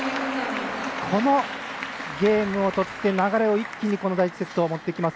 このゲームを取って流れを一気に第１セットを持ってきます。